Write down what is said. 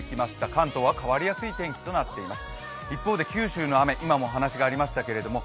関東は変わりやすい天気となっています。